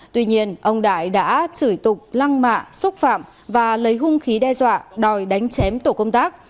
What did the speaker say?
tuy nhiên ông đại đã chửi tục lăng mạ xúc phạm và lấy hung khí đe dọa đòi đánh chém tổ công tác